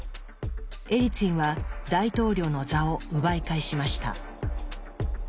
エリツィンは大統領の座を奪い返しました。